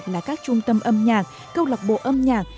là các trung tâm âm nhạc câu lạc bộ âm nhạc